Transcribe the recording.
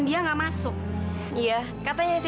friss sih ke saya fais